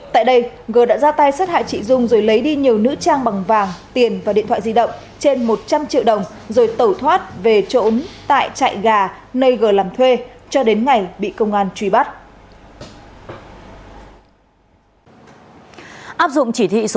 tại đây gờ đã ra tay sát hại chị dung rồi lấy đi nhiều nữ trang bằng vàng tiền và điện thoại di động